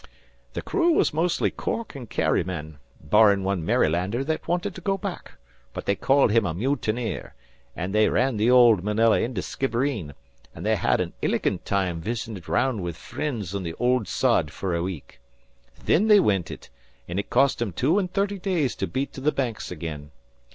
"The crew was mostly Cork an' Kerry men, barrin' one Marylander that wanted to go back, but they called him a mutineer, an' they ran the ould Marilla into Skibbereen, an' they had an illigant time visitin' around with frinds on the ould sod fer a week. Thin they wint back, an' it cost 'em two an' thirty days to beat to the Banks again.